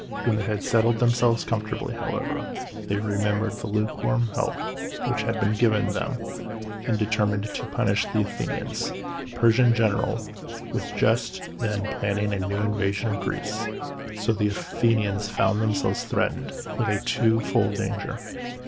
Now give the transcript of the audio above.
When they had settled themselves comfortably, however, they remembered the lukewarm help which had been given them, and determined to punish the Athenians. The Persian general was just then planning a new invasion of Greece, so the Athenians found themselves threatened with a twofold danger.